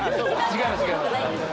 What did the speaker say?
違います。